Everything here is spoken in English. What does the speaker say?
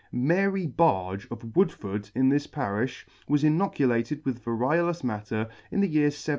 MARY BARGE, of Woodford, in this parifh, was ino culated with variolous matter in the year 1791.